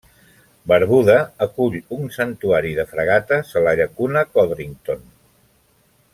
Barbuda acull un santuari de fregates a la llacuna Codrington.